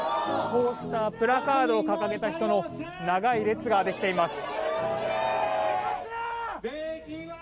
こうしたプラカードを掲げた人の長い列ができています。